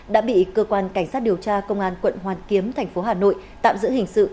đã bị cơ quan cảnh sát điều tra công an quận hoàn kiếm thành phố hà nội tạm giữ hình sự